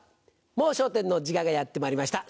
『もう笑点』の時間がやってまいりました。